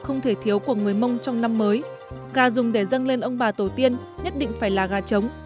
không thể thiếu của người mông trong năm mới gà dùng để dâng lên ông bà tổ tiên nhất định phải là gà trống